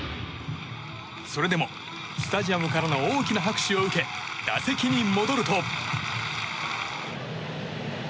それでもスタジアムからの大きな拍手を受け打席に戻ると。